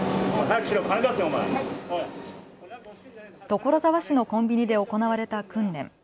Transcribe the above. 所沢市のコンビニで行われた訓練。